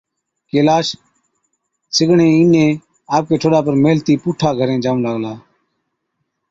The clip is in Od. ڪيلاش سِگڙين اِينڏين آپڪي ٺوڏا پر ميهلتِي پُوٺا گھرين جائُون لاگلا۔